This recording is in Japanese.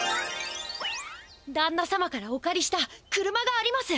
だんな様からおかりした車があります。